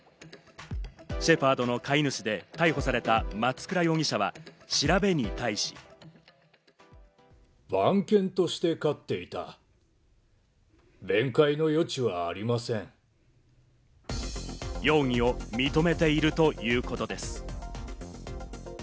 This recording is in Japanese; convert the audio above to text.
シェパードの飼い主で逮捕された松倉容疑者は調べに対し。容疑を認めているということです。